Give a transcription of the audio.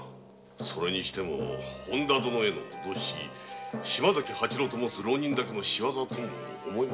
それにしても本多殿への脅し島崎八郎と申す浪人だけの仕業とは思えませぬ。